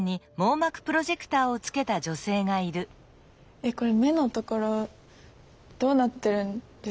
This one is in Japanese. えっこれ目の所どうなってるんですかね？